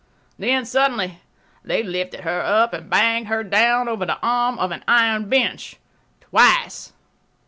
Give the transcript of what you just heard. Then suddenly they lifted her up and banged her down over the arm of an iron bench—twice.